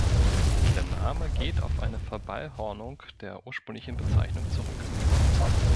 Der Name geht auf eine Verballhornung der ursprünglichen Bezeichnung zurück.